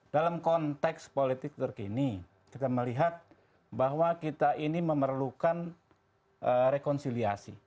dalam konteks politik terkini kita melihat bahwa kita ini memerlukan rekonsiliasi